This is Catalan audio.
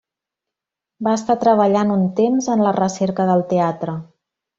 Va estar treballant un temps en la recerca del teatre.